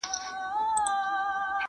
جهاني ډېر به دي قلم کړې په لیکلو ستړی